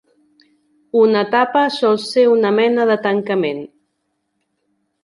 Una tapa sol ser una mena de tancament.